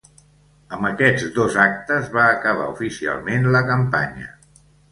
Amb aquests dos actes va acabar oficialment la campanya.